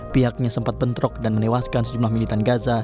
pihaknya sempat bentrok dan menewaskan sejumlah militan gaza